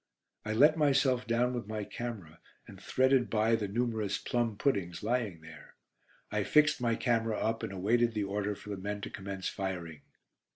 I let myself down with my camera and threaded by the numerous "plum puddings" lying there: I fixed my camera up and awaited the order for the men to commence firing.